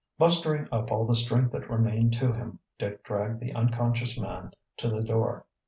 Mustering up all the strength that remained to him, Dick dragged the unconscious man to the door.